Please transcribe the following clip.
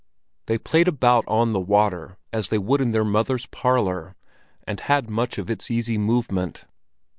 They played about on the water as they would in their mother's parlor, and had much of its easy movement.